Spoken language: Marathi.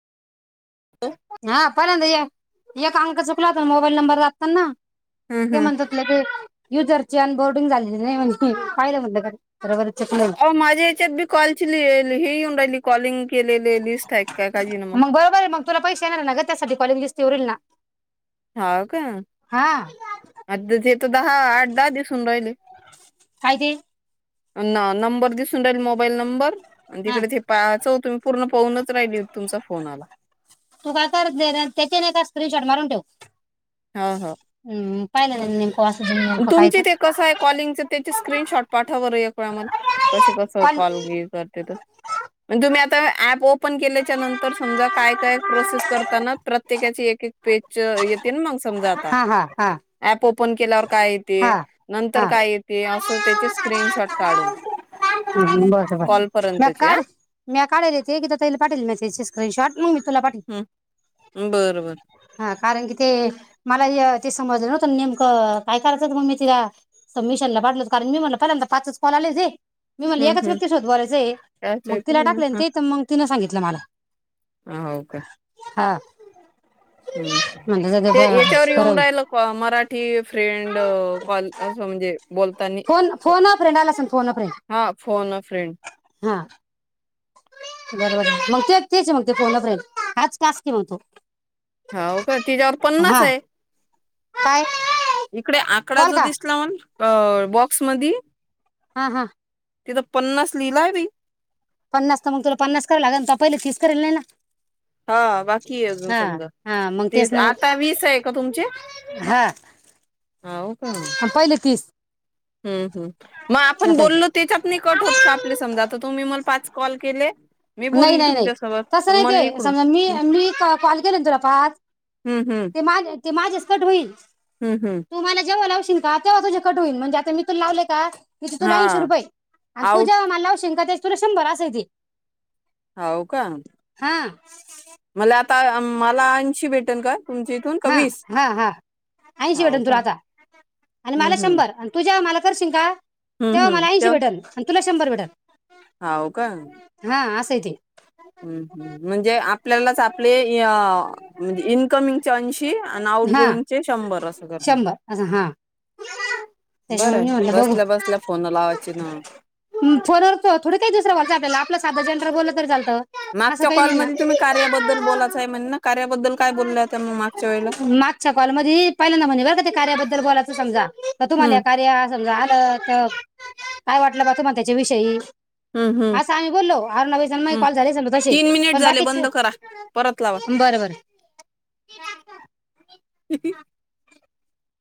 हा पैल्यांदा या एक अंक चुकला होता न मोबाईल नंबर दाबताना हम्म ते हम्म म्हणतात लगे युजर छान बोर्डिंग झालेली नाही म्हणं पाहिलं म्हटलं का बरोबर चुकलं अ माझ्या याच्यात बी कॉलची ली ली हे येऊन राहिली कॉलिंग केलेले लिस्ट आहे काय काजी ना म सेना न गं त्यासाठी कॉल दिसतीवरील ना हा का हा आता जे दहा, आठ, दहा दिसून राहिले. काय ते ना नंबर दिसून राहील मोबाईल नंबर आणि हा तिकडे ते पा चौथ मी पूर्ण पाहूनच [unintelligible] तुमचा फोन आला. तू काय करते रं त्याची नाही का स्क्रिनशॉट मारून ठेव ह हो हम्म पाहिलं ना तुमचे ते कसं आहे कॉलिंगचं ते चेस स्क्रीनशॉट पाठव बरं एक [unintelligible] कशी कसं पण कॉल बिल करते त म तुम्ही आता ॲप ओप ओपन केल्याच्या नंतर समजा काय काय प्रोसेस करताना प्रत्येकाची एक [inaudible] येतील मग? समजा आता हा हा हा ॲप ओ फोन.. काय येते हा नंतर हा काय येते असं त्याचे स्क्रीनशॉट काढून..... बस, बस म्या कॉलपर्यंतचे काढ म्या काढाले ते कि तला पाठेल मेसेजचे स्क्रीनशॉट. मग मी तुला पाठवेल हं बरं, बर. हा कारण की ते मला ते समजलं नव्हत नेमकं काय करायचं मग मी ति सबमिशनला पाठवलं. कारण मी म्हणलं पहिल्यांदा पाचच कॉल आले जे मी मला हम्म एकाच हम् व्यक्ती सोबत कायच बोलायचं म तिला ऐकलं टाकल ना ते तिथ मग तिन सांगित [inaudible] हो का? हम्म हम्म म्हणलं जाऊ दे ते याच्यावर बरं येऊन होईल राहिल का हो मराठी फ्रेंड कॉल असं म्हणजे बोलतानी फोन फोन अ फ्रेंड आलं असेल फोन अ फ्रेंड हा फोन अ फ्रेंड हा.... बरोबर मग तेच तेच आहे. मग फोन अ फ्रेड हाच टास्क आहे मग तो. हाओ का तिच्यावर पन्नास हा आहे. काय? इकडे आकडा कॉल जो का दिसला ऑन अ बॉक्समधी हा, हा तिथं पन्नास लिहिलाय बी...,. पन्नास तर मग तुला पन्नास कराय लागन तो पहिले तीस करेल नाही ना? हा बाकी आहे अजून हा समद. हा मग ते तेच ना मग आता वीस आहे का तुमचे? हा हा वो का? आणि पहिले तीस हम्म हम्म मग आपण असं आहे ते बोललो त्याच्यात नाही कट होत का आपले समजा आता तुम्ही मला पाच कॉल केले? मी नाही, बोलली नाही, नाही तुमच्यासोबत तस तर नाही मला ते. इकडून समजा मी हं, मी कॉल केल तुला पाच हं, हं, ते माजे ते माझेच कट होईल‌ हं, हं. तू मला जेव्हा लावशील का तेव्हा तुझे कट होईल म्हणजे आता मी तुला लावले का तिथ तूला ऐशी हां, रुपई आणि तू आउट जेव्हा मला लावशील का त्या तुला शंभर अस आहे ते. होव का? हां मला अ मला ऐंशी भेटेन का? तुमच्या इथून का हा वीस? हा हा ऐंशी हो भेटल तुला का? आता हं हं करशीन का? हं, तेव्हा मला ऐंशी भेटल. तुला शंभर हाव का [unintelligible] हम् हम् म्हणजे आपल्यालाच आपले यआ इनकमिंगचे ऐंशी आणि आउट हा गोईंगचे शंभर अस करून शंभर असं हा बर त्याच्यामुळे मी म्हणलं बघू बसल्या बसल्या फोन लावायची न फोनवर बोल तर चाल मागच्या कॉलमध्ये तुम्ही कार्याबद्दल बोलाच वेळेला मागच्या कॉल मधी पहिल्यांदा म्हणी बरं का ते कार्याबद्दल बोला समजा तुम्हाला हम्म या कार्या समजा त त काय वाटलं बा तुम्हा त्याच्या विषयी हम्म हम्म असं आम्ही बोललो अरणा बाईजण मग हम्म कॉल झालेच तसे तीन मिनिट पण झाले बाकीच बंद करा परत लावा बरं बरं